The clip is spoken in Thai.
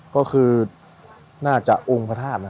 ก็คือน่าจะเว้นสุขแล้วพบกว่า